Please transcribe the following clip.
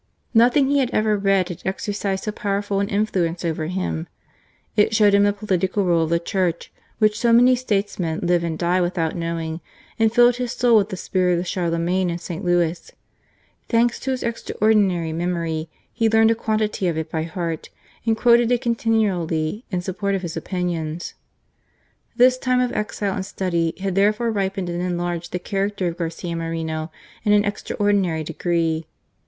Nothing he had ever read had exercised so powerful an influence over him. It showed him the political role of the Church, which so many statesmen live and die without knowing, and filled his soul with the spirit of Charlemagne and St. Louis. Thanks to his extraordinary memory, he learned a quantity of it by heart, and quoted it continually in support of his opinions. PARIS, 59 This time of exile and study had therefore ripened and enlarged the character of Garcia Moreno in an extraordinary degree.